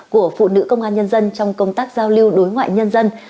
của phụ nữ công an nhân dân trong công tác giao lưu đối ngoại nhân dân